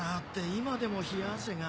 今でも冷や汗が。